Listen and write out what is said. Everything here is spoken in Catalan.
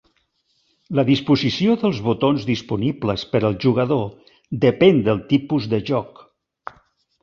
La disposició dels botons disponibles per al jugador depèn del tipus de joc.